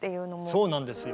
そうなんですよ。